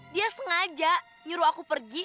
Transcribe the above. dia sengaja nyuruh aku pergi